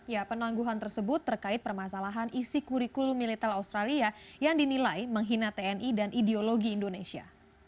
ya penangguhan tersebut terkait permasalahan isi kurikulum militer australia yang dinilai menghina tni dan ideologi indonesia